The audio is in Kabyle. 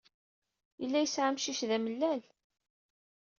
Yella yesɛa amcic d amellal.